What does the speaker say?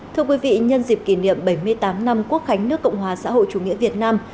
thưa quý vị nhân dịp kỷ niệm bảy mươi tám năm quốc khánh nước cộng hòa xã hội chủ nghĩa việt nam